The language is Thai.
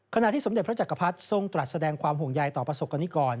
ที่สมเด็จพระจักรพรรดิทรงตรัสแสดงความห่วงใยต่อประสบกรณิกร